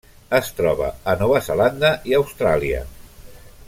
Es troba a Nova Zelanda i Austràlia.